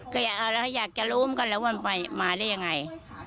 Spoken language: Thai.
ก็อยากจะรู้เหมือนกันแล้วว่ามันไปมาได้ยังไง